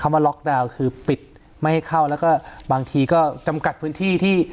มาล็อกดาวน์คือปิดไม่ให้เข้าแล้วก็บางทีก็จำกัดพื้นที่ที่